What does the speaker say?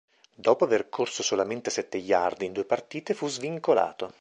Dopo aver corso solamente sette yard in due partite fu svincolato.